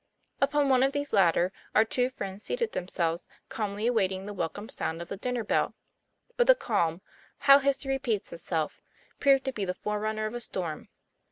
Upon one of these latter our two friends seated themselves, calmly awaiting the wel come sound of the dinner bell. But the calm ho\v history repeats itself! proved to be the forerunner of a storm.